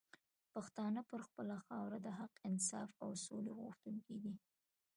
پښتانه پر خپله خاوره د حق، انصاف او سولي غوښتونکي دي